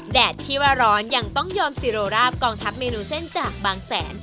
แดดที่ว่าร้อนยังต้องยอมซีโรราบกองทัพเมนูเส้นจากบางแสน